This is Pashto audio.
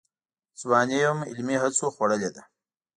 ځواني یې هم علمي هڅو خوړلې ده.